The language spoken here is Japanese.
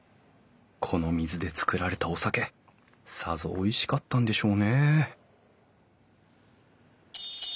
この水で造られたお酒さぞおいしかったんでしょうね